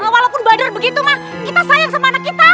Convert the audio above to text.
walaupun badur begitu ma kita sayang sama anak kita